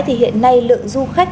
hiện nay lượng du khách